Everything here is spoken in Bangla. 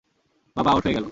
বাবা আউট হয়ে গেল!